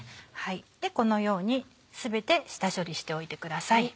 このように全て下処理しておいてください。